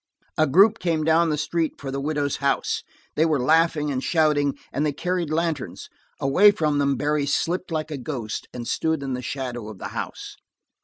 A group came down the street for the widow's house; they were laughing and shouting, and they carried lanterns; away from them Barry slipped like a ghost and stood in the shadow of the house.